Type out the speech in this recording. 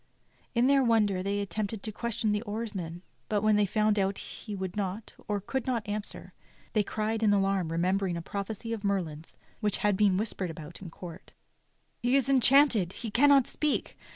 In their wonder they attempted to question the oarsman, but when they found that he would not, or could not, answer, they cried in alarm remembering a prophecy of Merlin's which had been whispered about the court: 92 THE STORY OF KING ARTHUR "He is enchanted, he cannot speak!